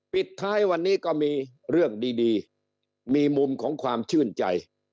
ปิดท้ายวันนี้ก็มีเรื่องดีมีมุมของความชื่นใจ